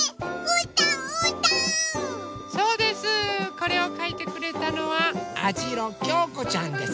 これをかいてくれたのはあじろきょうこちゃんです。